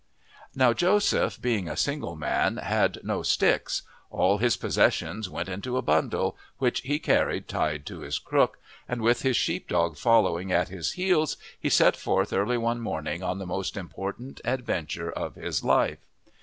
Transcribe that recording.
Now Joseph, being a single man, had no "sticks"; all his possessions went into a bundle, which he carried tied to his crook, and with his sheep dog following at his heels he set forth early one morning on the most important adventure of his life.